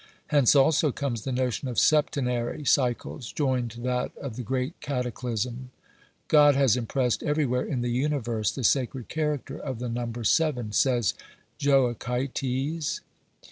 Hence also comes the notion of septenary cycles, joined to that of the great cataclysm. " God has im pressed everywhere in the universe the sacred character of the number seven," says Joachites.